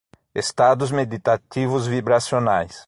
Estados meditativos vibracionais